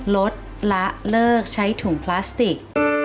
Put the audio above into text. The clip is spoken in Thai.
ลดละเลิกใช้ถุงพลาสติก